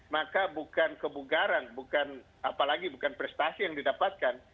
maka bukan kebugaran bukan apalagi bukan prestasi yang didapatkan